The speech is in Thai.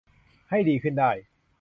ให้ดีขึ้นได้